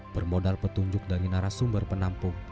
bermodal petunjuk dari narasumber penampung